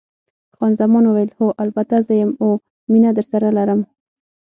خان زمان وویل: هو، البته زه یم، اوه، مینه درسره لرم.